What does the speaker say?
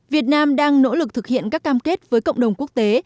việt nam đang nỗ lực thực hiện các cam kết với cộng đồng quốc tế